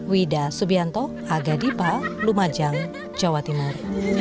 wida subianto aga dipa lumajang jawa timur